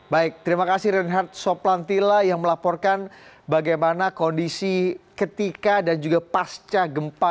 baik terima kasih reinhard soplantila yang melaporkan bagaimana kondisi ketika dan juga pasca gempa